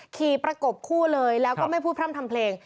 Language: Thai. ประกบคู่เลยแล้วก็ไม่พูดพร่ำทำเพลง